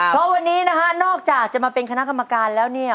เพราะวันนี้นะฮะนอกจากจะมาเป็นคณะกรรมการแล้วเนี่ย